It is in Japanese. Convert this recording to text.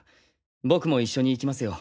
僕も一緒に行きますよ。